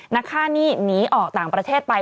ค่านี่หนีออกต่างประเทศไป